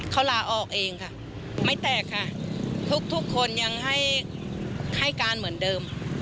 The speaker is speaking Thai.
เขาลาออกเองค่ะไม่แตกค่ะทุกคนยังให้การเหมือนเดิม